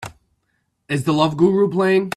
Is The Love Guru playing